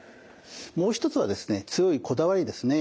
もう一つはですね強いこだわりですね。